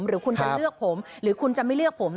หรือคุณจะเลือกผมหรือคุณจะไม่เลือกผม